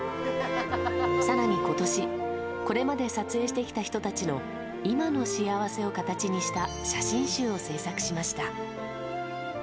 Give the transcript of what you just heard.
更に今年これまで撮影してきた人たちの今の幸せを形にした写真集を制作しました。